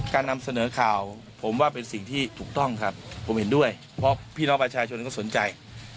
นำเสนอข่าวผมว่าเป็นสิ่งที่ถูกต้องครับผมเห็นด้วยเพราะพี่น้องประชาชนก็สนใจ